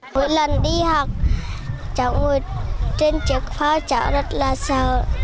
mỗi lần đi học cháu ngồi trên chiếc phao cháu rất là sợ